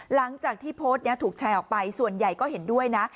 หลังจากที่โพสต์นี้ถูกแชร์ออกไปส่วนใหญ่ก็เห็นด้วยนะ